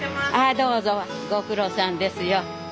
どうぞご苦労さんですよ。